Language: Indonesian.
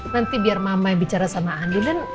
nanti biar mama yang bicara sama andi